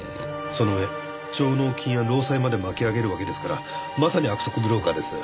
その上上納金や労災まで巻き上げるわけですからまさに悪徳ブローカーです。